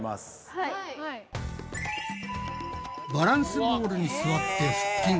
バランスボールに座って腹筋。